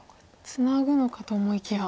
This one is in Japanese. ツナぐのかと思いきや。